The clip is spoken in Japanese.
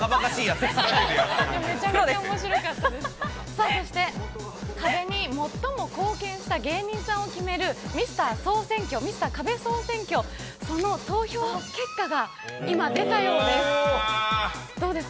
めちゃめちゃおもしろかったそして、壁に最も貢献した芸人さんを決めるミスター総選挙、ミスター壁総選挙、その投票結果が、今、出たようです。